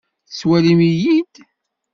Tettwalim-iyi-d?